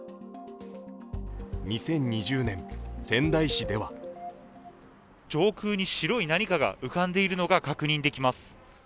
２０２０年、仙台市では上空に白い何かが浮かんでいるのが確認できます。